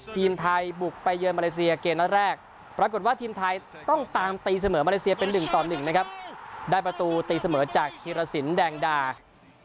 ทีมไทยบุกไปเยินมาเลเซียเกมนัดแรกปรากฏว่าทีมไทยต้องตามตีเสมอมาเลเซียเป็น๑ต่อ๑นะครับได้ประตูตีเสมอจากธีรสินแดงดา